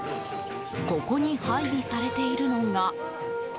ここに配備されているのが。